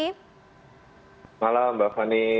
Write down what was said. selamat malam mbak fani